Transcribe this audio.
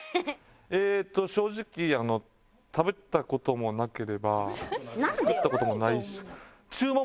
えっと正直あの食べた事もなければ作った事もないし。